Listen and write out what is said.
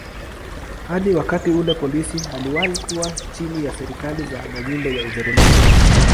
Hadi wakati ule polisi iliwahi kuwa chini ya serikali za majimbo ya Ujerumani.